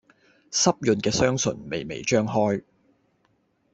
濕潤嘅雙唇，微微張開